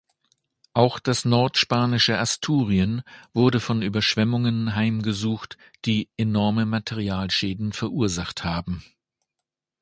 Auch das nordspanische Asturien wurde von Überschwemmungen heimgesucht, die enorme Materialschäden verursacht haben.